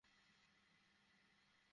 সবকিছুই আমার কল্পনা।